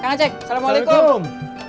kang aceh assalamualaikum